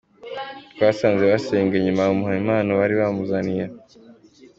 Twasanze basenga, nyuma bamuha impano bari bamuzaniye.